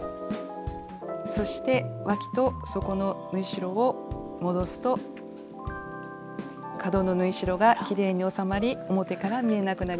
そしてわきと底の縫い代を戻すと角の縫い代がきれいに収まり表から見えなくなります。